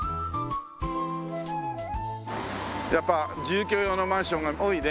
やっぱ住居用のマンションが多いね。